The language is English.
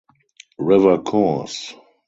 River Course!